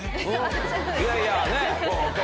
いやいやねっ。